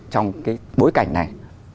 trong cái bối cảnh này